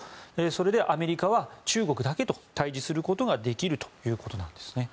そして、アメリカは中国だけと対峙することができるということですね。